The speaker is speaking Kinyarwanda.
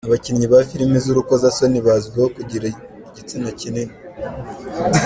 Abakinnyi ba filimi z’urukozasoni bazwiho kugira igitsina kinini